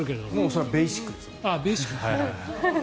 それはベーシック。